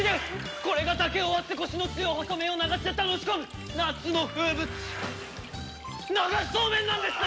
これが竹を割ってコシの強い細麺を流して楽しむ夏の風物詩流しそうめんなんですね！